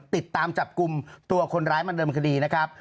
ติดตามจับกลุ่มตัวคนร้ายมาเดิมคดีนะครับ